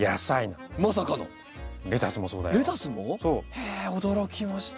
へえ驚きました。